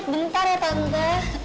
bentar ya tante